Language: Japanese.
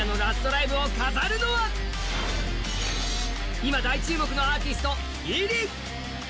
今、大注目のアーティストｉｒｉ！